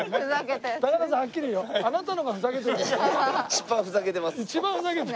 一番ふざけてます。